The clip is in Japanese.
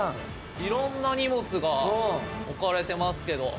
いろんな荷物が置かれてますけど。